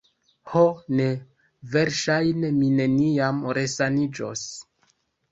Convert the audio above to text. Ho ne; verŝajne mi neniam resaniĝos...